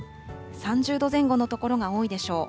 ３０度前後の所が多いでしょう。